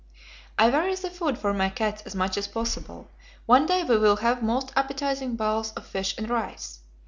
"I vary the food for my cats as much as possible. One day we will have most appetizing bowls of fish and rice.